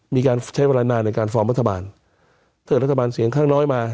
มีการใช้เวลานานในการฟอร์มรัฐบาลถ้าเกิดรัฐบาลเสียงข้างน้อยมา